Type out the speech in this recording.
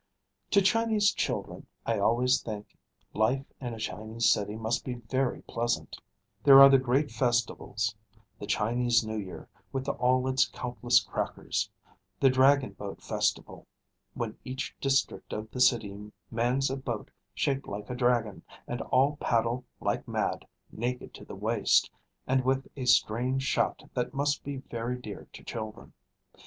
To Chinese children I always think life in a Chinese city must be very pleasant. There are the great festivals: the Chinese New Year, with all its countless crackers; the Dragon Boat Festival, when each district of the city mans a boat shaped like a dragon, and all paddle like mad, naked to the waist, and with a strange shout that must be very dear to children.